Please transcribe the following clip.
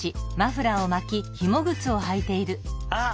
あっ！